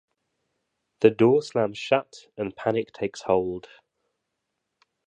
The door slams shut, and panic takes hold.